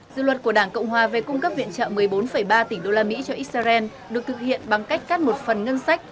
dự luật của đảng cộng hòa về cung cấp viện trợ một mươi bốn ba tỷ đô la mỹ cho xrn được thực hiện bằng cách cắt một phần ngân sách